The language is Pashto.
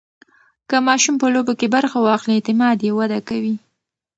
که ماشوم په لوبو کې برخه واخلي، اعتماد یې وده کوي.